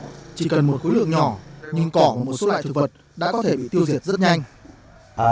tác dụng của nó cực mạnh chỉ cần một khối lượng nhỏ nhưng cỏ và một số loại thực vật đã có thể bị tiêu diệt rất nhanh